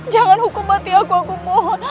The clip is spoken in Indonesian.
jangan hukum mati aku aku mohon